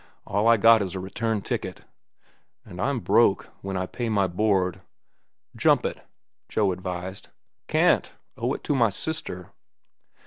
"All I got is a return ticket." "And I'm broke—when I pay my board." "Jump it," Joe advised. "Can't. Owe it to my sister."